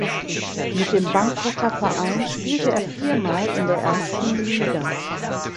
Mit dem Bangkoker Verein spielte er viermal in der ersten Liga.